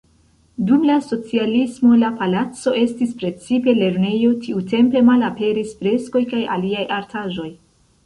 Dum la socialismo la palaco estis precipe lernejo, tiutempe malaperis freskoj kaj aliaj artaĵoj.